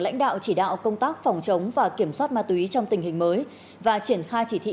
lãnh đạo chỉ đạo công tác phòng chống và kiểm soát ma túy trong tình hình mới và triển khai chỉ thị